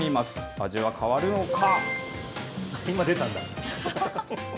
味は変わるのか。